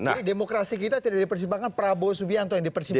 jadi demokrasi kita tidak dipersimpangkan prabowo subianto yang dipersimpangkan